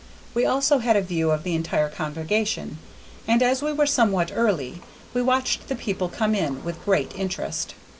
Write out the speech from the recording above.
We also had a view of the entire congregation, and as we were somewhat early, we watched the people come in, with great interest.